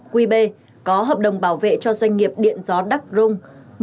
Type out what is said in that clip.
quy bê có hợp đồng bảo vệ cho doanh nghiệp điện gió đắc rung một trăm hai mươi ba